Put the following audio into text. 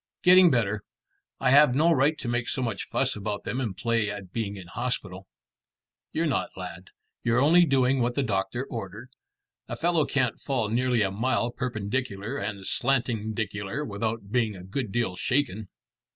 "Getting better. I have no right to make so much fuss about them and play at being in hospital." "You're not, lad. You're only doing what the doctor ordered. A fellow can't fall nearly a mile perpendicular and slantingdicular without being a good deal shaken."